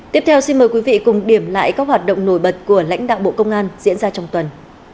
tiếp theo xin mời quý vị cùng điểm lại các hoạt động nổi bật của lãnh đạo bộ công an diễn ra trong tuần